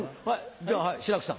じゃあはい志らくさん。